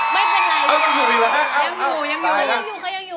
ไม่เป็นไรยังอยู่ยังอยู่ก็ยังอยู่ค่ะยังอยู่